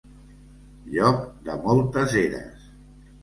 Lloc de moltes eres.